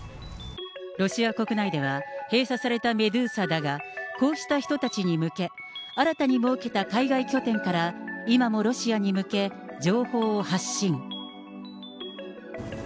ロシア国内では閉鎖されたメドゥーザだが、こうした人たちに向け、新たに設けた海外拠点から今もロシアに向け、情報を発信。